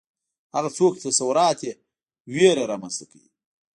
هغه څوک چې تصورات یې ویره رامنځته کوي